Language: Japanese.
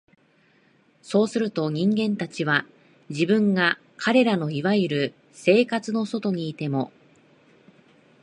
そうすると、人間たちは、自分が彼等の所謂「生活」の外にいても、